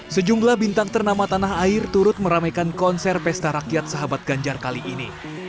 sejumlah bintang ternama tanah air turut meramaikan konser pesta rakyat sahabat ganjar kali ini